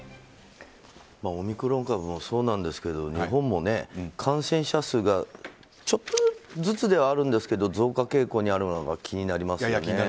オミクロン株もそうなんですけど、日本も感染者数がちょっとずつではあるんですけど増加傾向にあるのが気になりますね。